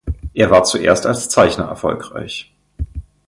Er war zuerst als Zeichner erfolgreich.